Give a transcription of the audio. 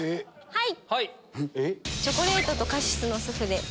はい！